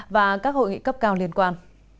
và các hội nghị cấp cao liên quan